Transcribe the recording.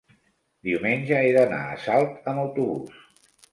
diumenge he d'anar a Salt amb autobús.